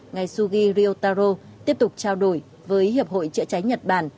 ngày sugi ryotaro tiếp tục trao đổi với hiệp hội chữa cháy nhật bản